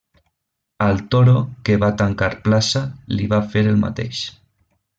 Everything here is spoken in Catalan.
Al toro que va tancar plaça li va fer el mateix.